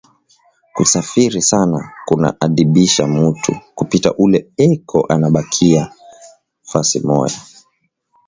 Kusafiri sana kuna adibisha mutu kupita ule eko nabakia fasi moya